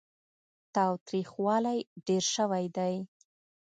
تاوتريخوالی ډېر شوی دی.